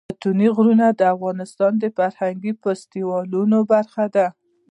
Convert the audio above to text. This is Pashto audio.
ستوني غرونه د افغانستان د فرهنګي فستیوالونو برخه ده.